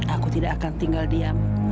aku tidak akan tinggal diam